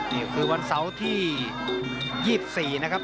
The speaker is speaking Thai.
นี่คือวันเสาร์ที่๒๔นะครับ